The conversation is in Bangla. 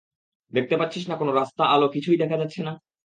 দেখতে পাচ্ছিস না, কোনো রাস্তা, আলো কিছুই দেখা যাচ্ছে না?